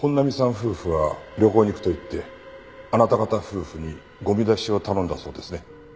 夫婦は旅行に行くと言ってあなた方夫婦にゴミ出しを頼んだそうですね。